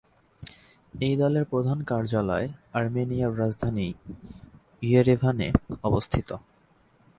এই দলের প্রধান কার্যালয় আর্মেনিয়ার রাজধানী ইয়েরেভানে অবস্থিত।